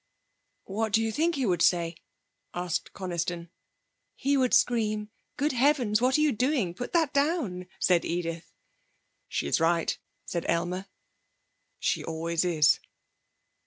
'What do you think he would say?' asked Coniston. 'He would scream: "Good heavens! What are you doing? Put that down!"' said Edith. 'She's right,' said Aylmer. 'She always is.'